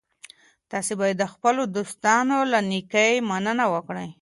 تاسي باید د خپلو دوستانو له نېکۍ مننه وکړئ.